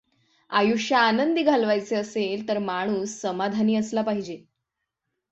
आयुष्य आनंदी घालवायचे असेल तर माणूस समाधानी असला पाहिजे.